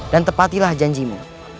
dan tepatilah janjimu